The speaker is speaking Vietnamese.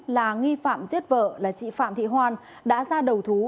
hai trăm bảy mươi chín là nghi phạm giết vợ là chị phạm thị hoan đã ra đầu thú